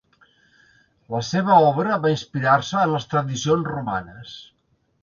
La seva obra va inspirar-se en les tradicions romanes.